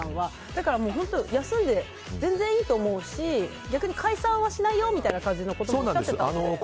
だから、休んで全然いいと思うし逆に解散はしないよということもおっしゃってたので。